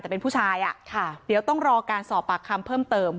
แต่เป็นผู้ชายอ่ะค่ะเดี๋ยวต้องรอการสอบปากคำเพิ่มเติม